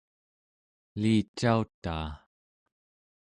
elicautaa